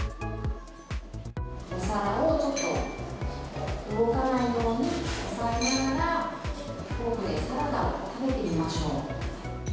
お皿をちょっと動かないように押さえながら、フォークでサラダを食べてみましょう。